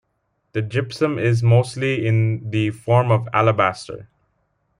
The gypsum is mostly in the form of alabaster.